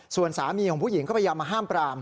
ส่วนสามีของผู้หญิงก็พยายามมาห้ามปราม